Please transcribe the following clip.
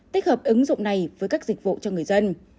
tích hợp ứng dụng này với các dịch vụ cho người dân